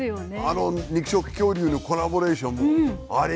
あの肉食恐竜のコラボレーションあれ